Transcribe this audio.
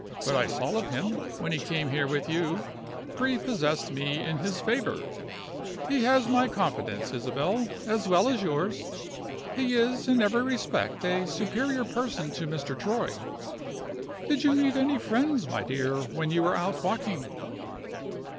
What I saw of him, when he came here with you, prepossessed me in his favor. He has my confidence, Isabel, as well as yours he is in every respect a superior person to Mr. Troy. Did you meet any friends, my dear, when you were out walking?"